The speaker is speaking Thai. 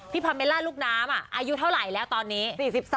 พาเมลล่าลูกน้ำอายุเท่าไหร่แล้วตอนนี้